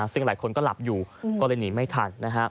ซึ่งหลายคนก็หลับอยู่ก็เลยหนีไม่ทัน